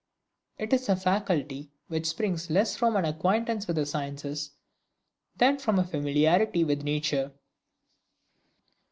It is a faculty which springs less from an acquaintance with the sciences, than from a familiarity with nature.